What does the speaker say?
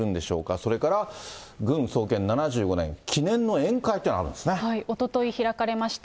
それから軍創建７５年、記念の宴おととい開かれました。